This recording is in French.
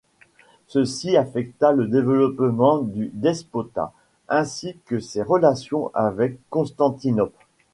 Ceci affecta le développement du despotat ainsi que ses relations avec Constantinople.